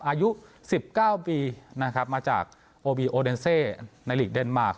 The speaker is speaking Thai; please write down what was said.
อายุ๑๙ปีนะครับมาจากโอบีโอเดนเซในหลีกเดนมาร์ค